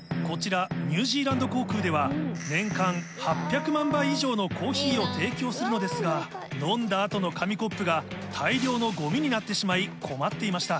こちら年間８００万杯以上のコーヒーを提供するのですが飲んだ後の紙コップが大量のゴミになってしまい困っていました